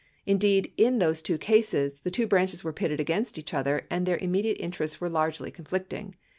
Indeed, in those two cases, the two branches were pitted against each other and their immediate interests were largely conflicting.